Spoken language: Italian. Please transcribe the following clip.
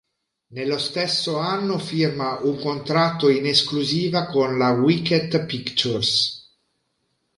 Nello stesso anno firma un contratto in esclusiva con la Wicked Pictures.